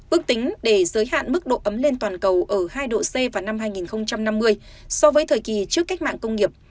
ước tính để giới hạn mức độ ấm lên toàn cầu ở hai độ c vào năm hai nghìn năm mươi so với thời kỳ trước cách mạng công nghiệp